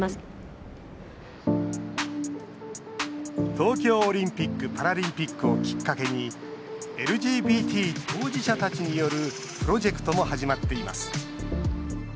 東京オリンピック・パラリンピックをきっかけにＬＧＢＴ当事者たちによるプロジェクトも始まっています。